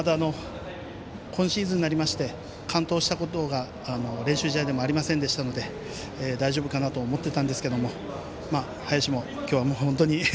今シーズンになりまして完投したことが練習試合でもありませんでしたので大丈夫かなと思っていたんですが林も今日は本当に。